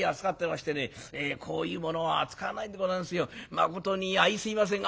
まことに相すいませんが」。